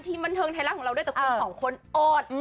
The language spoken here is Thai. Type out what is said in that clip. บันเทิงไทยรัฐของเราด้วยแต่คุณสองคนโอด